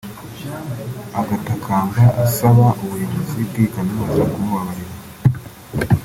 agatakamba asaba ubuyobozi bw’iyi Kaminuza kumubabarira